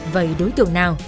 vậy đối tượng nào